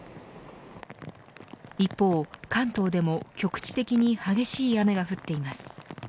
一方、関東でも局地的に激しい雨が降っています。